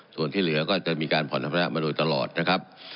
ส่วนที่เหลือก็จะมีการผ่อนธรรมระมาโดยตลอดนะครับ